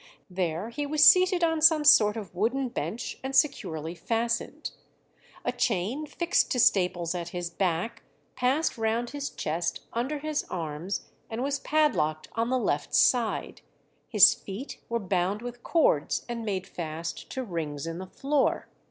There he was seated on some sort of wooden bench and securely fastened. "A chain fixed to staples at his back passed round his chest under his arms, and was padlocked on the left side;" his feet were bound with cords and made fast to rings in the floor.